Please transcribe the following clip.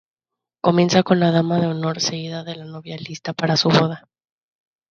Comienza con la dama de honor seguida de la novia lista para su boda.